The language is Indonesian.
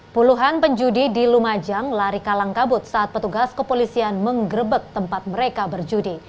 puluhan penjudi di lumajang lari kalang kabut saat petugas kepolisian menggerebek tempat mereka berjudi